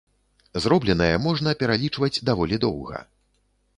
Зробленае можна пералічваць даволі доўга.